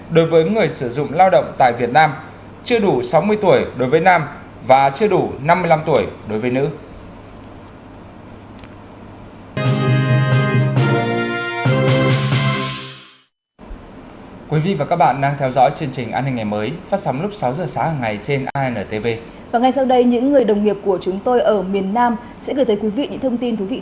đối với người sử dụng lao động tại việt nam chưa đủ sáu mươi tuổi đối với nam và chưa đủ năm mươi năm tuổi đối với nữ